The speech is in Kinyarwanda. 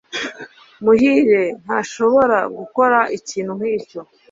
muhire ntashobora gukora ikintu nkicyo